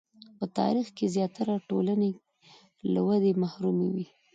په تاریخ کې زیاتره ټولنې له ودې محرومې وې.